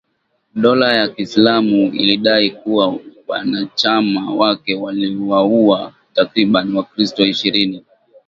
Dola ya kiislamu ilidai kuwa wanachama wake waliwauwa takribani wakristo ishirini.